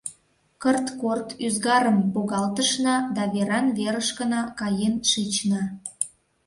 Кырт-корт ӱзгарым погалтышна да веран-верышкына каен шична.